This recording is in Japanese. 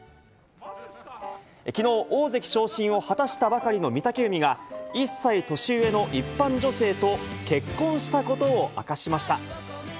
きのう、大関昇進を果たしたばかりの御嶽海が、１歳年上の一般女性と結婚したことを明かしました。